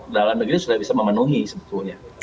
dalam negeri sudah bisa memenuhi sebetulnya